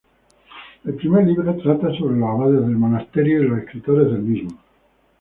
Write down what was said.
El primer libro trata sobre los abades del monasterio y los escritores del mismo.